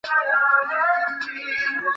墨翟着书号墨子。